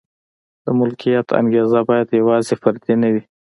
د ملکیت انګېزه باید یوازې فردي نه وي.